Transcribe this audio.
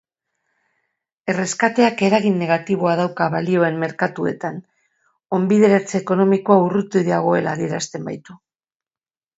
Erreskateak eragin negatiboa dauka balioen merkatuetan, onbideratze ekonomikoa urruti dagoela adierazten baitu.